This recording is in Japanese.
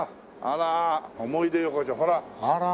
あら思い出横丁ほら。